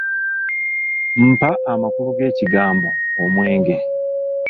Mpa amakulu g’ekigambo "omwenge".